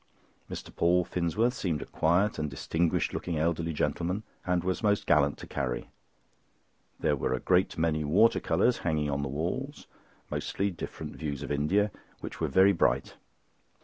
Mr. Paul Finsworth seemed quite a distinguished looking elderly gentleman, and was most gallant to Carrie. There were a great many water colours hanging on the walls, mostly different views of India, which were very bright.